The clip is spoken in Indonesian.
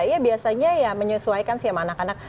ya biasanya ya menyesuaikan sih sama anak anak